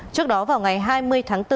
trước đó vào ngày hai mươi tháng bốn